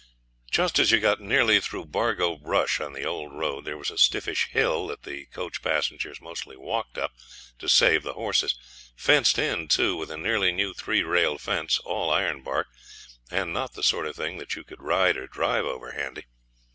Just as you got nearly through Bargo Brush on the old road there was a stiffish hill that the coach passengers mostly walked up, to save the horses fenced in, too, with a nearly new three rail fence, all ironbark, and not the sort of thing that you could ride or drive over handy.